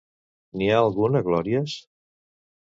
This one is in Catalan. N'hi ha algun a Glòries?